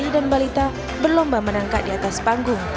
bayi dan balita berlomba menangka di atas panggung